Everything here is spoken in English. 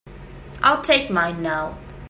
I'll take mine now.